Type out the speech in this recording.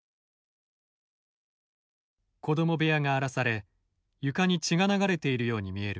子ども部屋が荒らされ床に血が流れているように見える